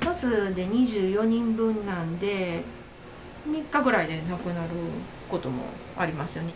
１つで２４人分なんで、３日ぐらいでなくなることもありますよね。